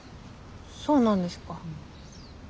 そうなんですか？